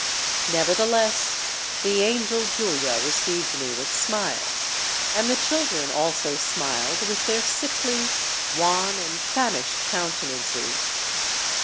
Nevertheless, the angel Julia received me with smiles; and the children also smiled with their sickly, wan, and famished countenances.